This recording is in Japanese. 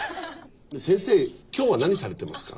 先生今日は何されてますか？